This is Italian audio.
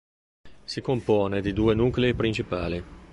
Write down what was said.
Si compone di due nuclei principali.